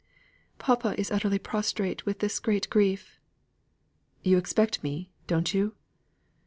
"Papa is utterly prostrate with this great grief." "You expect me, don't you?"